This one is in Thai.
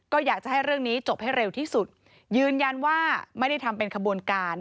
ก็อยากจะให้เรื่องนี้จบให้เร็วที่สุดยืนยันว่าไม่ได้ทำเป็นขบวนการ